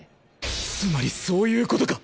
つまりそういうことか⁉